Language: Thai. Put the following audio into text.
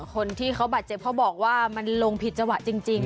คนที่เขาบาดเจ็บเขาบอกว่ามันลงผิดจังหวะจริง